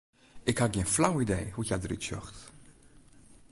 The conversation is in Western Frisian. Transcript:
Ik ha gjin flau idee hoe't hja derút sjocht.